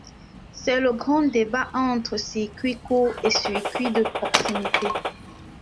C’est le grand débat entre circuit court et circuit de proximité.